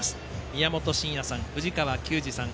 宮本慎也さん、藤川球児さん